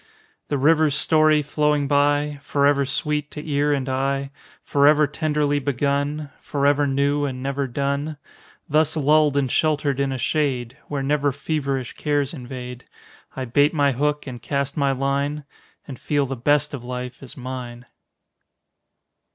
The river's story flowing by, Forever sweet to ear and eye, Forever tenderly begun Forever new and never done. Thus lulled and sheltered in a shade Where never feverish cares invade, I bait my hook and cast my line, And feel the best of life is mine.